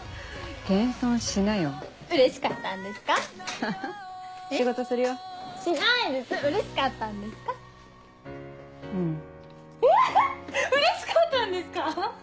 アハっうれしかったんですか？